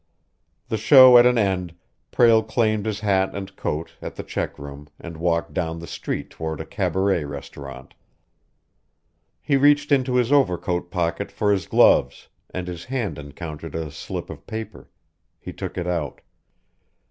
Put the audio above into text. The show at an end, Prale claimed his hat and coat at the check room and walked down the street toward a cabaret restaurant. He reached into his overcoat pocket for his gloves, and his hand encountered a slip of paper. He took it out.